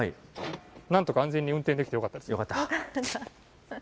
なんとか安全に運転できてよかっよかった。